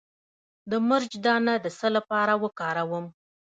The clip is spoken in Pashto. د مرچ دانه د څه لپاره وکاروم؟